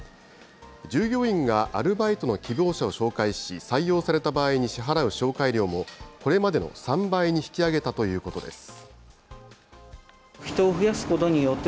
従業員がアルバイトの希望者を紹介し、採用された場合に支払う紹介料も、これまでの３倍に引き上げたということです。